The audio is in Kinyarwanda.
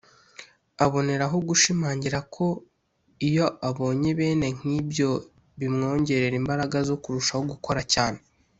aboneraho gushimangira ko iyo abonye bene nk’ibyo bimwongerera imbaraga zo kurushaho gukora cyane